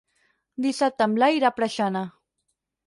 Dissabte en Blai irà a Preixana.